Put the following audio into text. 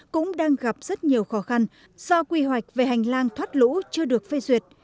cũng đang gặp rất nhiều khó khăn do quy hoạch về hành lang thoát lũ chưa được phê duyệt